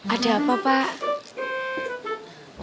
ada apa pak